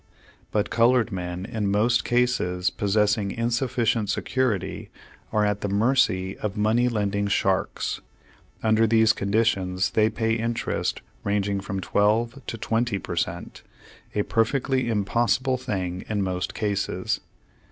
But colored men in most cases possess ing insufficient security, are at the mercy of money lending sharks. Under these conditions they pay interest ranging from twelve to tv/enty per cent, a perfectly impossible thing in most cases.